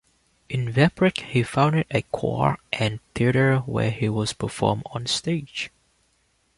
In Vepryk he founded a choir and theatre where he was performed on stage.